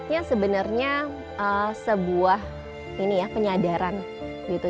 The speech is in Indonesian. ya sebenarnya sebuah ini ya penyadaran gitu